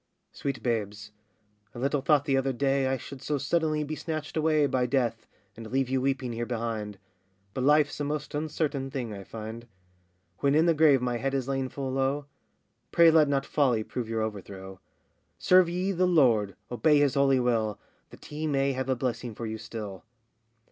Sweet babes, I little thought the other day, I should so suddenly be snatched away By Death, and leave you weeping here behind; But life's a most uncertain thing, I find. When in the grave my head is lain full low, Pray let not folly prove your overthrow; Serve ye the Lord, obey his holy will, That he may have a blessing for you still.